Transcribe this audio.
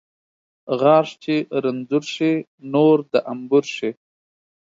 غاښ چې رنځور شي ، نور د انبور شي